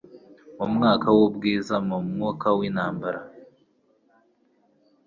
Mu mwuka w'ubwiza mu mwuka w'intambara